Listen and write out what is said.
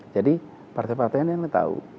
jadi partai partainya yang tahu